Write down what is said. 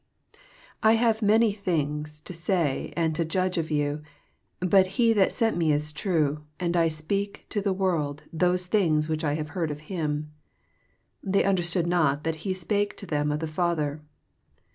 26 I hare many things to say aad to judge of you: but he that sent me is true; and I speak to the world those things which I hare heard of him. 27 They understood not that he spake to them of the Father.